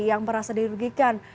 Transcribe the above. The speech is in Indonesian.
yang merasa dirugikan